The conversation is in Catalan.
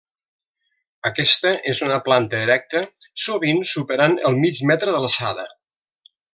Aquesta és una planta erecta sovint superant el mig metre d'alçada.